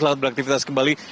selamat beraktifitas kembali